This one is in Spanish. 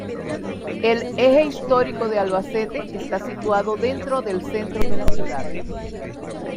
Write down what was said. El Eje Histórico de Albacete está situado dentro del Centro de la ciudad.